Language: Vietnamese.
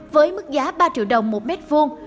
với mức giá ba triệu đồng một mét vuông